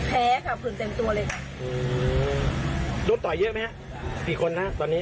แพ้ค่ะผื่นเต็มตัวเลยค่ะโดนต่อยเยอะไหมฮะกี่คนฮะตอนนี้